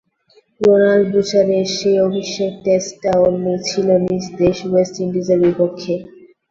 Ronald বুচারের সেই অভিষেক টেস্টটাও ছিল নিজ দেশ ওয়েস্ট ইন্ডিজের বিপক্ষে।